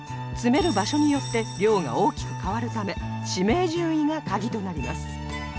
詰める場所によって量が大きく変わるため指名順位がカギとなります